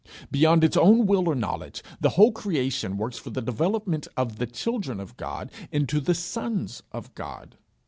Beyond its own will or knowledge, the whole creation works for the development of the children of God into the sons of God.